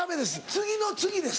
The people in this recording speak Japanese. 次の次です。